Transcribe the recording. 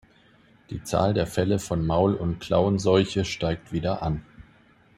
Die Zahl der Fälle von Maul- und Klauenseuche steigt wieder an.